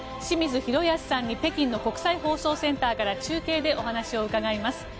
清水宏保さんに北京の国際放送センターから中継でお話を伺います。